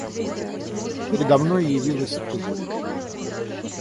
Передо мной явилась ты